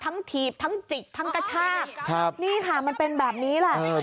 ถีบทั้งจิกทั้งกระชากครับนี่ค่ะมันเป็นแบบนี้แหละ